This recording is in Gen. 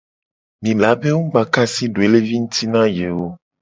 Mi la be wo mu gba ka asi doelevi nguti na ye o.